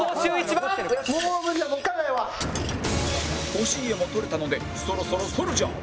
欲しい画も撮れたのでそろそろソルジャーを